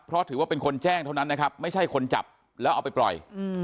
เพราะถือว่าเป็นคนแจ้งเท่านั้นนะครับไม่ใช่คนจับแล้วเอาไปปล่อย